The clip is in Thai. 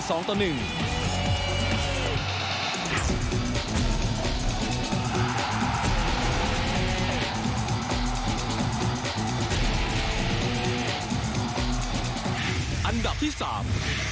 เป็นความยอดเยี่ยมของจักรพลสีนารา